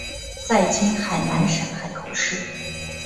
在今海南省海口市。